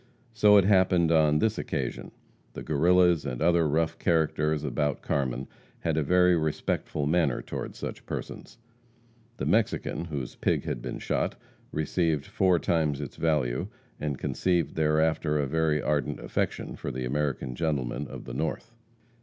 So it happened on this occasion. The Guerrillas and other rough characters about Carmen had a very respectful manner toward such persons. The Mexican, whose pig had been shot, received four times its value and conceived thereafter a very ardent affection for the American gentlemen of the north.